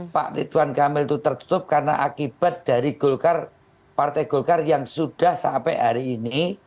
pak ridwan kamil itu tertutup karena akibat dari golkar partai golkar yang sudah sampai hari ini